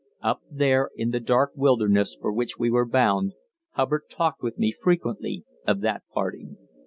Up there in the dark wilderness for which we were bound Hubbard talked with me frequently of that parting.